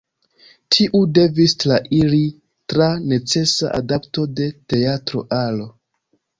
Tiu devis trairi tra necesa adapto de teatra alo.